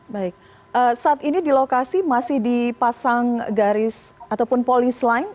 baik saat ini di lokasi masih dipasang garis ataupun polis line